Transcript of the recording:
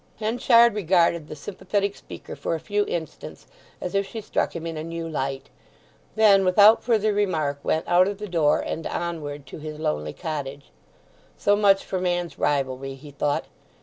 Henchard regarded the sympathetic speaker for a few instants as if she struck him in a new light, then, without further remark, went out of the door and onward to his lonely cottage. So much for man's rivalry, he thought.